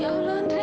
ya allah armia